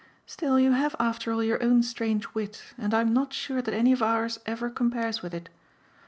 Still, you have after all your own strange wit, and I'm not sure that any of ours ever compares with it.